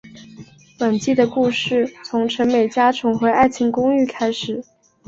本季的故事从陈美嘉重回爱情公寓开始。